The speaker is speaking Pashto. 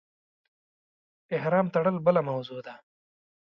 احرام تړل بله موضوع ده.